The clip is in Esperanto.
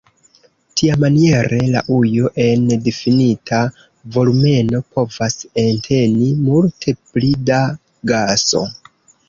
Tiamaniere la ujo en difinita volumeno povas enteni multe pli da gaso.